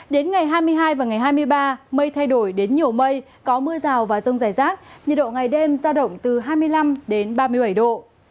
đến ngày hai mươi hai và ngày hai mươi ba mây thay đổi đến nhiều mây có mưa rào và rông rải rác nhiệt độ ngày đêm giao động từ hai mươi năm đến ba mươi bảy độ